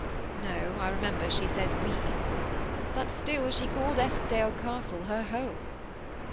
No, I remember she said we; but still she called Eskdale Castle her home.